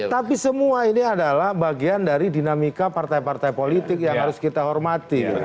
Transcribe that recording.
tapi semua ini adalah bagian dari dinamika partai partai politik yang harus kita hormati